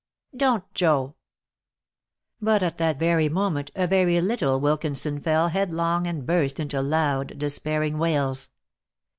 "Don't Joe!" But at that moment a very little Wilkinson fell headlong and burst into loud, despairing wails.